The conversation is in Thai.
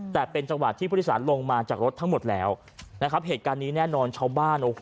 แต่เป็นจังหวัดที่พฤษาลงมาจากรถทั้งหมดแล้วนะครับเหตุการณ์นี้แน่นอนชาวบ้าน